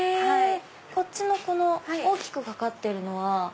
こっちの大きく掛かってるのは？